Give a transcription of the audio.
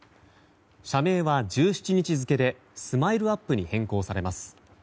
社名は１７日付でＳＭＩＬＥ‐ＵＰ．に変更されます。